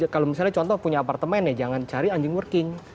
kalau misalnya contoh punya apartemen ya jangan cari anjing working